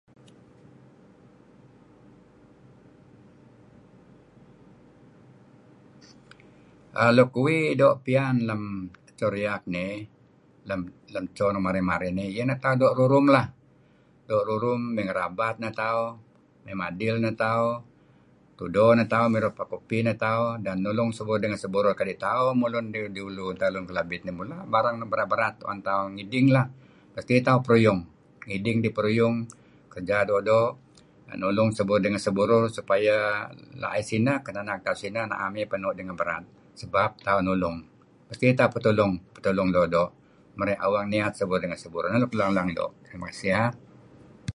um luk uih do' pian lem edto riak nih lem let edto nuk marih marih uih ieh ineh tauh do rurum leh do' rurum me' ngarabat neh tau me' madil neh tauh tudo neh tauh mirup fa kopi neh tauh nulung seburur ngen seburur kadi neh tauh mulun ngi ulu lun kelabit mula barang nuk berat-berat tu'en tauh ngiding mesti tauh peruyung ngiding dih peruyung kerja do-do nulung seburur ngen seburur supaya la'ih sineh kinanak tauh sineh naam ieh penu' ngen nuk berat sebab tauh nulung mesti tauh petulung nulung do' do' mere awang niat seburur ngen seburur neh nuk leng do terima kasih ya.